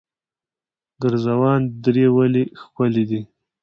ګرزوان درې ولې ښکلې دي؟